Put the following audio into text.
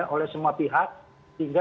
oleh semua pihak hingga